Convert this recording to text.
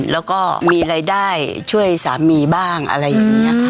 แล้วก็มีรายได้ช่วยสามีบ้างอะไรอย่างนี้ค่ะ